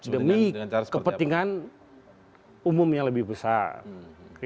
demi kepentingan umum yang lebih besar